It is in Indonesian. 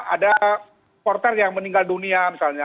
ada porter yang meninggal dunia misalnya